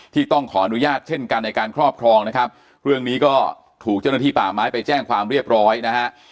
ต้องขออนุญาตเช่นกันในการครอบครองนะครับเรื่องนี้ก็ถูกเจ้าหน้าที่ป่าไม้ไปแจ้งความเรียบร้อยนะฮะ